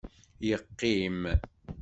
Yeqqim.